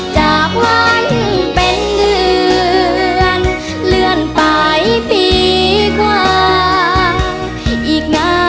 จากวันเป็นเดือนเลื่อนไปปีกว่างอีกนาน